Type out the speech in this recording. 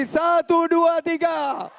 satu dua tiga